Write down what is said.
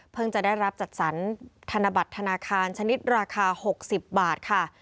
จะได้รับจัดสรรธนบัตรธนาคารชนิดราคา๖๐บาทค่ะ